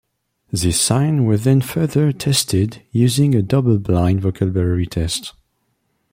These signs were then further tested using a double-blind vocabulary test.